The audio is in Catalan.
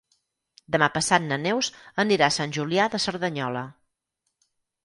Demà passat na Neus anirà a Sant Julià de Cerdanyola.